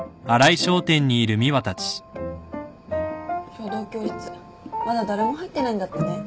書道教室まだ誰も入ってないんだってね。